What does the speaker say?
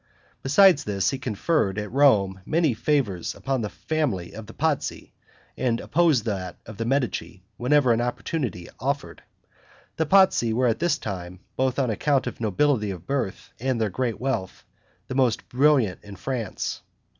Besides this, he conferred, at Rome, many favors upon the family of the Pazzi, and opposed that of the Medici, whenever an opportunity offered. The Pazzi were at this time, both on account of nobility of birth and their great wealth, the most brilliant in France.